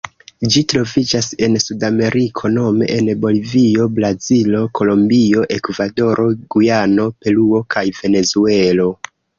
Ĝi troviĝas en Sudameriko nome en Bolivio, Brazilo, Kolombio, Ekvadoro, Gujano, Peruo kaj Venezuelo.